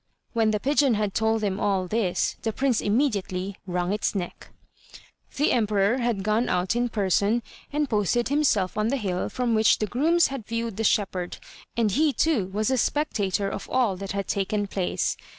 When the pigeon had told him all this, the prince immediately wrung its neck. The emperor had gone out in person, and posted himself on the hill from which the grooms had viewed the shepherd, and he, too, was a spectator of all that had taken place.